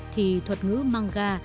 thì thuật ngữ manga